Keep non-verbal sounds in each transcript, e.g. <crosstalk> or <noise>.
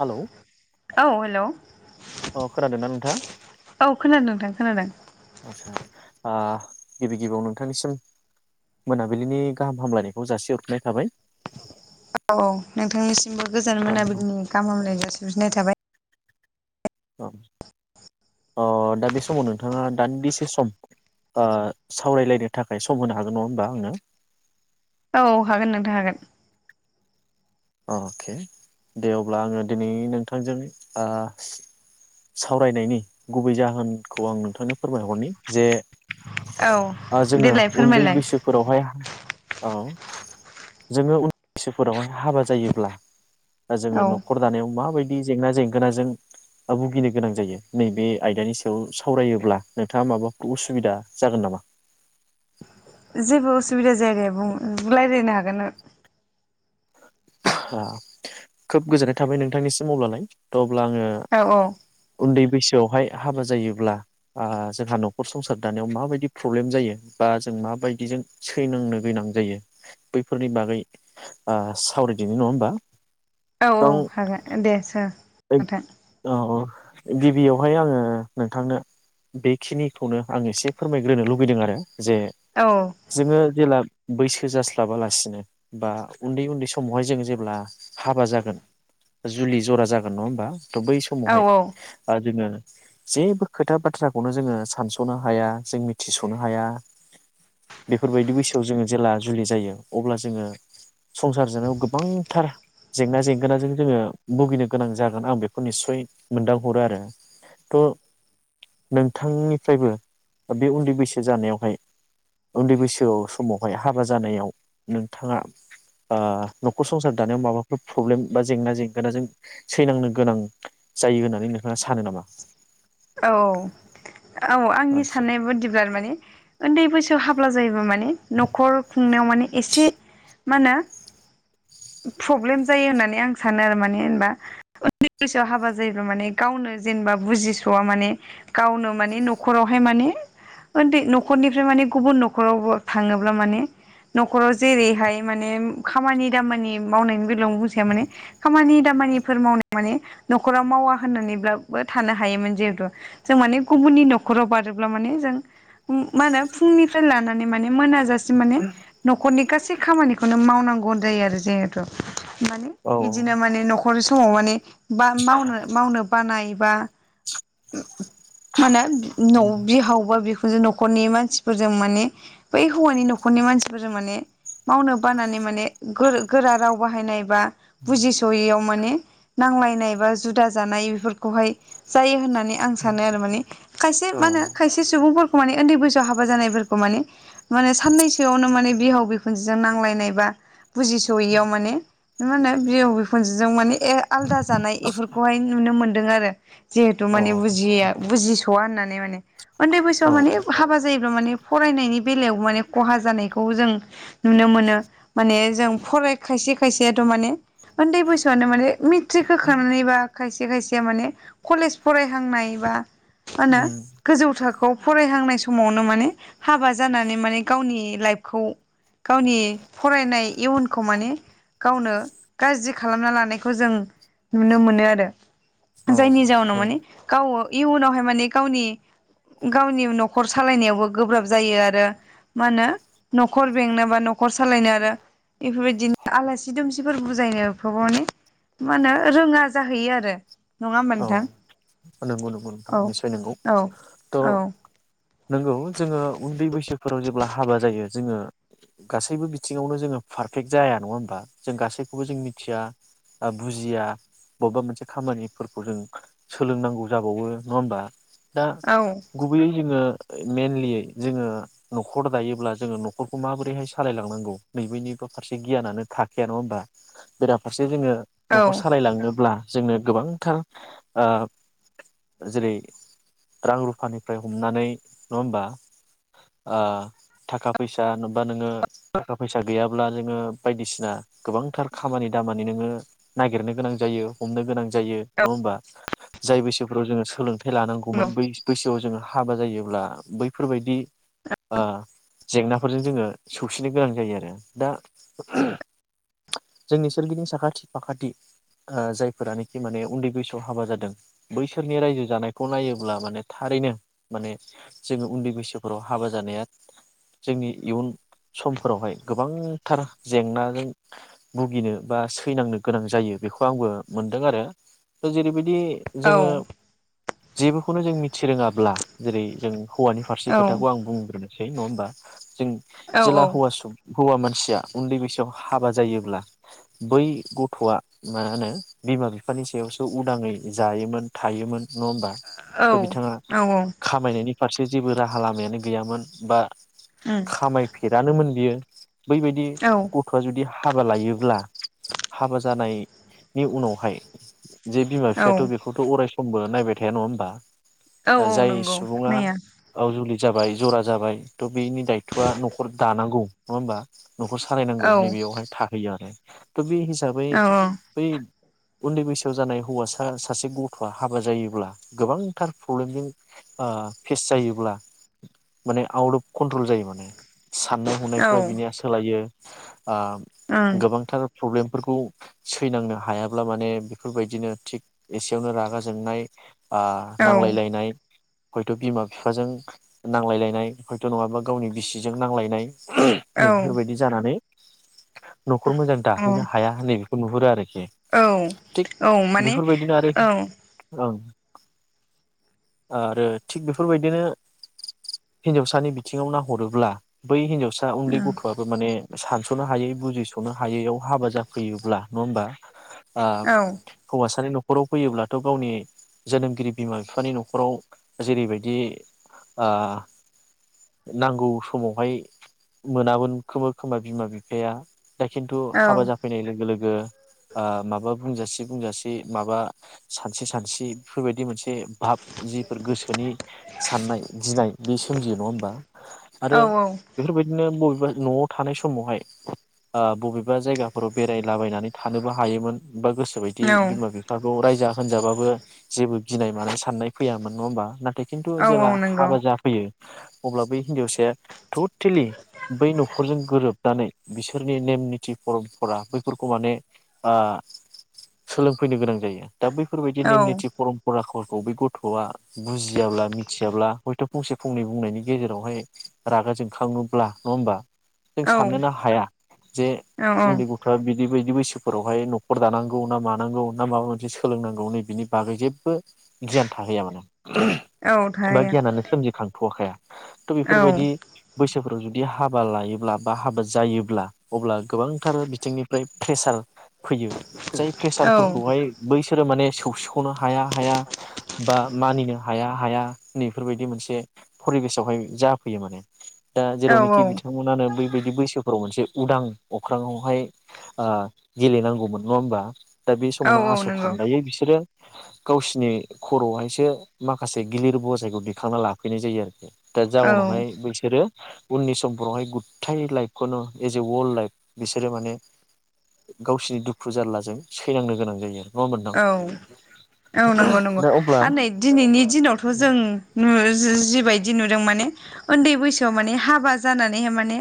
Hello औ hello औ अ खोनादोंना नोंथाङा खोनादों नोंथां खोनादों ओ गिबि गिबियाव नोंथांनिसिम मोनाबिलिनि गाहाम हामलायनायखौ जासिहरफिनाय थाबाय औ औ नोंथांनि सिमबो गोजान अ मोनाबिलिनि गाहाम हामलायनाय जासि <unintelligible> थाबाय औ अ दा बे समाव नोंथाङा दान्दिसे सम ओ सावरायलायनो थाखाय सम होनो हागोन नङा होमबा आंनो? औ हागोन नोंथां हागोन। अ के दे अब्ला आङो दिनै नोंथांजों ओ सावरायनायनि गुबै जाहोनखौ आं नोंथांनो फोरमायहरनि जे ओ औ जोङो देलाय उन्दै फोरमायलाय। बैसोफोरावहाय औ जोङो उनैसोफोरावहाय हाबा ज जायोब्ला दा जोङो औ न'खर दानायाव माबायदि बिदि जेंना जेंगोन जों भुगिनो गोनां जायो नैबे आयदानि सायाव सावरायोब्ला नोंथाङा माबाफोर उसुबिदा जागोन नामा? जेबो असुबिदा जाया दे बुं रायज्लायनो हागोन न ओ खोब गोजोननाय थाबाय नोंथांनिसिम अब्लालाय थ' अब्ला आङो औ उन्दै बैसो बेवहाय हाबा जायोब्ला ओ जोंहा न'खर संसार दानायाव माबायदि प्रब्लेम जायो बा जों माबायदिजों सैनांनो गोनां जायो बैफोरनि बागै ओ सावरायिदिनो नङा होमबा औ औ हागोन दे सो एक औ औ गिबियावहाय आङो नोंथांनो बेखिनिखौनो आं इसे फोरमायग्रोनो लुबैदों आरो जे औ जोङो जेला बैसो जास्लाबालासिनो बा उन्दै उन्दै समावहाय जों जेब्ला हाबा जागोन जुलि जरा जाग आर नङा ओमबा? थ बै औ समावहाय ओ जोङो जेबो खोथा बाथ्राखौनो जोङो सानस'नो हाया जों मिथिस'नो हाया बेफोरबायदि बैसोआव जोङो जेला जुलि जायो अब्ला जोङो संसार जानायाव गोबांथार जेंना जेंगोना जों जोङो भुगिनो गोनां जागोन आं बेखौ निसय मोनदांहरो आरो थ नोंथांनिफ्रायबो बे उन्दै बैसो जानायावहाय उन्दै बैसोआव समावहाय हाबा जानायाव नोंथाङा ओ न'खर संसार दानायाव माबाफोर प्रब्लेम बा जेंना जेंगोनाजों सैनांनो गोनां जायो होननानै नोंथाङा सानो नामा? औ औ औ आंनि आदसा साननाय बादिबाल माने ओन्दै बैसो थ हाब्ला माने न'खर खुंनायाव माने एसे मा नो प्रब्लेम जायो होननानै आं सानो आरो माने होनबा उन्दै बैसोआव हाबा जायोब्ला माने गावनो जेनेबा बुजिस' स'आ माने गावनो माने न'खरावहाय माने ओन्दै न'खरनिफ्राय माने गुबुन न'खरावबो थाङोब्ला माने न'खराव जेरैहाय माने खामानि दामानि मावनायनि बेलायावनो बुंसै आं माने खामानि दामानिफोर मावनाय माने न'खराव मावा होननानैब्लाबो थानो हायोमोन। जियेतु जों माने गुबुननि न'खराव बारोब्ला माने जों मा होनो फुंनिफ्राय लानानै माने मोनाजासिम माने न'खरनि गासै खामानिखौनो मावनांगौ होनजायो आरो जेहेतु माने औ इदिनो माने न'ख खर समाव माने बा मावनो मावनोब बानायबा मानो न' बिहावबा बिखु जो न'खरनि मानसिफोरजों माने बै हौवानि न'खरनि मानसिफोरजों माने मावनो बानानै माने गोर गोरा राव बाहायनाय बा बुजिस'यैयाव माने नांलायनाय बा जुदा जानाय बेफोरखौहाय जायो होननान नै आं सानो आरो माने खायसे औ मा होनो खायसे सुबुंफोर माने ओन्दै बैसोआव हाबा जानायफोरखौ माने माने साननैसोआवनो माने बिहाव बिखुनजोजों नांलायनाय बा बुजिस'यैयाव माने मा होनो बिहाव बिखुनजोजों माने ए आलदा जानाय इफोरखौहाय नुनो मोन दों आरो जिब थ' औ माने बुजिया बुजिसया होननानै नै माने। उन्दै औ बैसोआव माने हाबा जायो माने फरायनायनि बेलायाव माने खहा जानायखौ जों नुनो मोनो माने जों फराय खायसे खायसेयाथ' माने उन्दै बैसोआनो माने मेट्रिक होखांनायबा खायसे से खायसेया माने कलेज फरायहांनाय बा मा होनो उम गोजौ थाखोआव फरायहांनाय समावनो माने हाबा जानानै माने गावनि लाइफखौ गावनि फरायनाय इयुनखौ माने गावनो गाज्रि खालामना लानायखौ जों नुनो मोनो आरो। औ औ ओं। अ इयुनावहाय माने गावनि गावनि नखर सालायनायावबो गोब्राब जायो आरो मा होनो नखर बेंनो बा नखर सालायनो आरो इफोरबायदिनो आलासि दुमसिफोर बुजायनोफ्राव माने मा होनो रोङा जाहैयो आरो। नङा होनबा औ नोंथां? नंगौ नंगौ नोंथां औ निसय नंगौ औ औ थ' नोंगौ जोङो उन्दै बैसोफोराव जे अब्ला हाबा जायो जोङो गासैबो बिथिङावनो जोङो पारफेक्ट जाया नङा होमबा जों गासैखौबो जों मिथिया आ बुजिया बबेबा मोनसे खामानि फोरखौ जों सोलोंनांगौ जाबावो नङा होमबा? दा औ गुबैयै जोङो मेनलि जोङो नखर दायोब्ला जोङो नखरखौ माबोरैहाय सालायलांनांगौ नैबेनिबो फारसे गियानानो थाखायाया नङा होमबा? बेराफारसे जे जोङो औ नखर सालायलाङोब्ला जोंनो गोबां थार ओ जेरै रां रुफानिफ्राय हमनानै नङा होमबा ओ थाखा फैसा नबा नोङो थाखा फैसा गैयाब्ला नोङो बायदिसिना गोबांथार खामानि दामानि नोङो नागिरनो गोनां जायो, हमनो गोनां जायो नङा होमबा जाय बैसोफ्राव जोङो सोलोंथाइ लानांगौमोन बै बैसोआव जोङो हाबा जायोब्ला बैफोरबायदि ओ जेंनाफोरजों जोङो सौसिनो गोनां जायो आरो दा जोंनि सोरगिदिं साखाथि फाखाथि ओ जायफोरानोखि माने उन्दै बैसोआव हाबा जादों बैसोरनि रायजो जानायखौ नायोब्ला माने थारैनो माने जोङो उन्दै बैसोफोराव हाबा जानाया जोंनि इयुन समफोरावहाय गोबांथार जेंनाजों भुगिनो बा सैनांनो गोनां जायो बेखौ आंबो मोनदों आरो। जेरैबादि दि औ जोङो जेबोखौनो जों मिथि रोङाब्ला जेरै जों हौवानि फारसे खोथाखौ औ आं बुंग्रोनो सै नङा होनबा? जों जेला हौवा सु हौवा मानसिया उन्दै बैसोआव हाबा जायोब्ला बै गथ'आ मा होनो बिमा बिफानि सायावसो उदाङै जायोमोन थायोमोन नङा होमबा थ' बिथाङा औ खामायनायनि फारसे जेबो राहा लामायानो गैयामोन बा औ खामायफेरानोमोन बियो बैबायदि औ गथ'आ जुदि हाबा लायोब्ला हाबा जानायनि उनावहाय जे बिमा बिफायाथ' औ बेखौथ' अराय <unintelligible> नायबाय थाया नङा होनबा औ औ नंगौ नैया औ जुलि जाबाय जरा जाबाय थ बेनि दायथ'आ न'खर दानांगौ नङा होमबा न'खर सालायनांगौ नै औ बेयावहाय थाहैयो आरो थ बे हिसाबै औ बै उन्दै <unintelligible> <unintelligible> जानाय हौवासा सासे गथ'आ हाबा जायोब्ला गोबांथार प्रब्लेमजों फेस जायोब्ला माने आउट अफ कन्ट्रल जायो माने साननाय औ हनायफ्रा बिनिया ओं सोलायो औ गोबांथार प्रब्लेम <unintelligible> फोरखौ सैनांनो हायाब्ला माने बेफोरबायदिनो थिग एसेयावनो रागा जोंनाय ओ औ नांलायलायनाय हयथ' बिमा बिफाजों नांलायलायनाय हयथ' नङाबा गावनि बिसिजों नांलायनाय <unintelligible> नै बेफोरबायदि जानानै न'खर मोजां औ दाहैनो हाया होनै नुहुरो आरो औ औ माने बेफोरबायदिनो आरो औ ओं आरो थिग बेफोरबायदिनो हिनजावसानि बिथिङाव नाहरोब्ला बै हिनजाव फिसा उन्दै गथ'आबो माने सानस'नो हायै बुजिस'नो हायैयाव हाबा जाफैयोब्ला नङा होमबा औ ओह हौवासानि न'खराव फैयोब्लाथ' गावनि जोनोमगिरि बिमा बिफानि न'खराव जेरैबायदि ओ नांगौ समावहाय मोनामोन खोम खोमा बिमा बिफाया दा खिन्थु हाबा जाफैनाय लोगो लोगो माबा बुंजासिगो बुंजासे माबा सानसे सानसि बेफोरबायदि मोनसे ए भाब जिफोर गोसोनि साननाय गिनाय बे सोमजियो नङा होमबा आरो औ औ बेफोरबायदिनो बबे न'आव थानाय समावहाय आ बबे बा जायगाफोराव बेरायलाबायनानै थानोबो हायोमोन बा गोसोआव बिदि बिमा बिफाखौ रायजा होनजाबा बो जेबो गिनाय मानाय साननाय फैयामोन नङा होमबा नाथाय खिन्थु औ जेला नंगौ हाबा जाफैयो अब्ला बै हिन्जावसाया टटेलि बै न'खरजों गोरोबनानै बिसोरनि नेम निथि फरमपरा बैफोरखौ माने ओह सोलोंफैनो गोनां जायो। दा बैफोरबायदि औ नेम नितथि परमपराखौ फरखौ बै गथ'आ बुजियाब्ला मिथियाब्ला हयथ' फंसे फंनै बुंनायनि गेजेरावहाय रागा जोंखाङोब्ला नङा होमबा जों औ साननोनो हाया जे औ उन्दै गथ'आ बिदिबायायदि बिदि बैसोफोरावहाय नखर दानां गौ ना मानांगौ ना माबा मोनसे सोलोंनांगौ नै बिनि बागै जेबो गियान थाहैया माने औ बा थारैनो गियानानो सोमजिखांथ'खाया थ' औ बेफोरबायदि बैसोफोराव जुदि दि हाबा लायोब्ला बा हाबा जायोब्ला अब्ला गोबांथार बिथिंनिफ्राय प्रेसार फैयो। जाय औ प्रेसारफोरखौहाय बैसोरो माने सौ सौ खौनो हाया हाया बा मानिनो हाया हाया नैफोरबायदि मोनसे फरिबेसावहाय जाफैयो माने दा औ जेरावनोखि बिथांमोनानो बैबादि बैसोफोराव मोनसे उदां अख्राआवहाय गेलेनांगौमोन। नङा होमबा दा बे औ समावनो औ आस' नंगौ खान्दायै बिसोरो गावसिनि खर'आवहायसो माखासे गिलिर बजायखौ दैखांना लाफैनाय जायो आरोखि। दा जाउनावहाय औ बैसोरो उननि समफोरावहाय गुथाइ लाइफखौनो एस ए वर्लड लाइफ बिसोरो माने गावसोरनि दुखु खु जारलाजों सैनांनो गोनां जायो आरो नङा होमबा नोंथां? औ औ नंगौ नंगौ दा अब्ला आरो नै दिनैनि दिनावथ' जों नु जिबायदि नुदों माने उन्दै बैसोआव माने हाबा जानानैहाय माने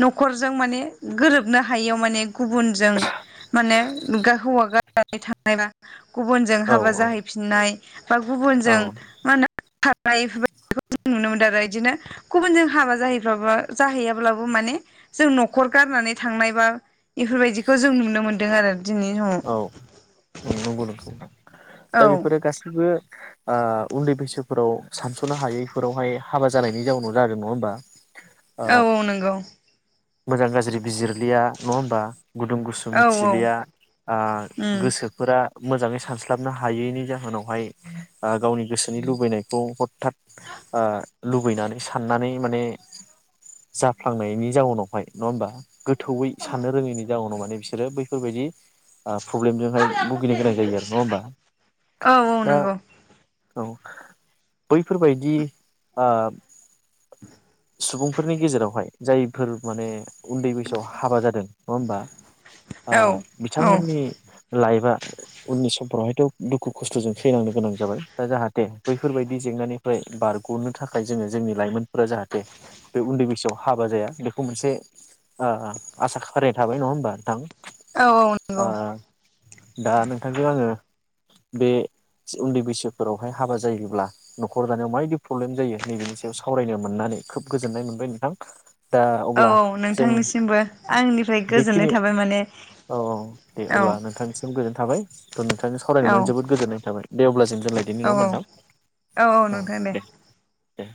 न'खरजों माने गोरोबनो हायियाव माने गुबुनजों माने हौवा गारनानै थां बा गुबुनजों औ हाबा जाहैफिननाय बा गुबुनजों औ मा होनो <unintelligible> खारनाय बेफोरबायदिखौ जों नुनो मोनदों आरो इदिनो गुबुन जों हाबा जाहैबाबो जाहैयाब्लाबो माने जों न'खर गारनानै थांनायबा बेफोरबायदिखौ जों नुनो मोन्दों आरो। जोंनि समाव औ नंगौ नंगौ। औ दा बेफोरो गासिबो। ओ उन्दै बैसोफोराव सानस'नो हायैफोरावहाय हाबा जानायनि जाउनाव जादों नङा होमबा। ओ औ औ नंगौ। मोजां गाज्रि बिजिर लिया नङा होमबा गुदुं गुसु औ औ मिथिलिया ओ उम गोसोफोरा मोजाङै सानस्लाबनो हायैनि जाहोनावहाय ओ गावनि गोसोनि लुबैनायखौ हथथात ओ लुबैनानै साननानै माने जाफ्लांनायनि जाउ नाव हाय नङा होमबा। गोथौयै साननो रोङैनि जाउनाव माने म बिसोरो बैफोरबायदि ओ प्रब्लेमजोंहाय भुगिनो गोनां जायो आरो नङा होमबा औ औ दा। नंगौ औ बैफोरबायदि ओ सुबुंफोरनि गेजेरावहाय जाय फोर माने उन्दै बैसोआव हाबा जादों। नङा होमबा? ओ औ औ बिथांमोननि लाइफ एबा उननि समफोराव हायथ' दुखु खस्थ'जों सैनांनो गोनां जाबाय दा जाहाथे बैफोरबायदि जेंनानिफ्राय बारग'नो थाखाय जोङो जोंनि लाइमोनफोरा जाहाथे बे उन्दै बैसोआव हाबा जाया बे खौ मोनसे ओ आसा फारिनाय थाबाय नङा होमबा नोंथां। औ ओ नंगौ औ दा नोंथांजों आङो बे उन्दै बैसोफोरावहाय हाबा जायोब्ला न'खर दानायाव माबायदि प्रब्लेम जायो नैबेनि सायाव सावरायनो मोननानै खोब गोजोननाय मोनबाय नोंथां। दा अब्ला औ जों नोंथांनिसिमबो आंनिफ्राय गोजोननाय बेखिनि थाबाय माने औ औ दे औ अब्ला नोंथांनिसिम गोजोननाय थाबाय थ' नोंथांजों सावरायनो औ मोननानै जोबोद औ गोजोननाय थाबाय दे अब्ला जों दोनलायदोनि नङा औ होनब्ला नोंथां औ दे। ए